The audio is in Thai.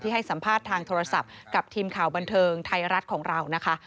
ให้สัมภาษณ์ทางโทรศัพท์กับทีมข่าวบันเทิงไทยรัฐของเรานะคะ